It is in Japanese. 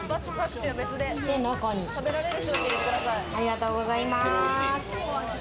ありがとうございます。